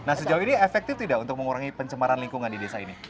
nah sejauh ini efektif tidak untuk mengurangi pencemaran lingkungan di desa ini